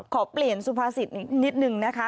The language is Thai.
ขอเปลี่ยนสุภาษิตนิดนึงนะคะ